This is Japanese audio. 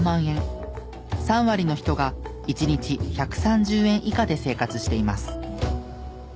３割の人が１日１３０円以下で生活しています。